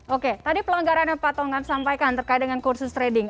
oke tadi pelanggarannya pak tonggap sampaikan terkait dengan kursus trading